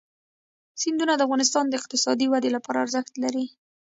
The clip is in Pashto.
سیندونه د افغانستان د اقتصادي ودې لپاره ارزښت لري.